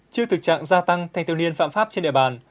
trước thực trạng gia tăng thanh thiếu niên phạm pháp trên địa bàn